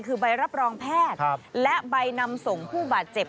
คือใบรับรองแพทย์และใบนำส่งผู้บาดเจ็บ